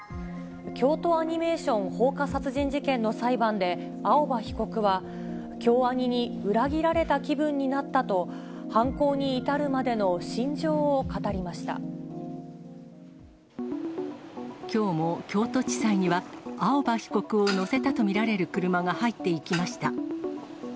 京都アニメーション放火殺人事件の裁判で、青葉被告は、京アニに裏切られた気分になったと、犯行に至るまでの心情を語りきょうも京都地裁には、青葉被告を乗せたと見られる車が入っていきました。